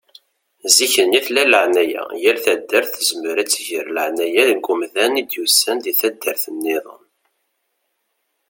Zikk-nni tella laεnaya. Yal taddart tezmer ad tger laεnaya deg umdan i d-yusan seg taddart-nniḍen.